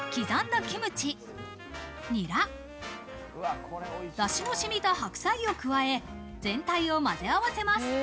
刻んだキムチ、ニラ、出汁の染みた白菜を加え、全体をまぜ合わせます。